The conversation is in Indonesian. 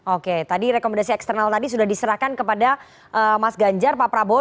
oke tadi rekomendasi eksternal tadi sudah diserahkan kepada mas ganjar pak prabowo